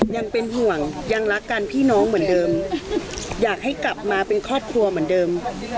ยังเป็นห่วงยังรักกันพี่น้องเหมือนเดิมอยากให้กลับมาเป็นครอบครัวเหมือนเดิม